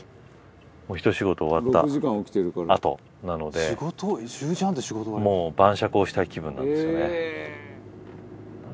ひと仕事終わったあとなのでもう晩酌をしたい気分なんですよね。